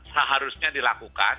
perilaku itu seharusnya dilakukan